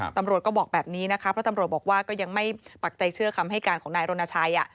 ตำรวจก็บอกแบบนี้นะคะเพราะตำรวจบอกว่าก็ยังไม่ปักใจเชื่อคำให้การของนายรณชัย